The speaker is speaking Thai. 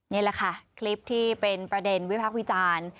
นี่แหละค่ะคลิปที่เป็นประเด็นวิพักษ์วิจารณ์